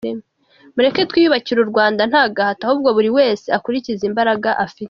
Mureke twiyubakire u Rwanda nta gahato ahubwo buri wese akurikije imbaraga afite.